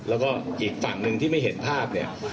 แล้วก็อีกฝั่งหนึ่งที่ไม่เห็นภาพเนี่ย